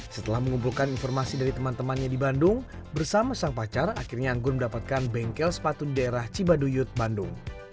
setelah mengumpulkan informasi dari teman temannya di bandung bersama sang pacar akhirnya anggun mendapatkan bengkel sepatu di daerah cibaduyut bandung